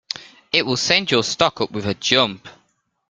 It will send your stock up with a jump.